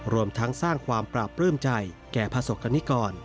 รวมทั้งสร้างความปราบปลื้มใจแก่ประสบกรณิกร